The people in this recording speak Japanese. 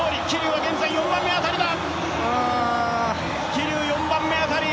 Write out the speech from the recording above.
桐生４番目辺り。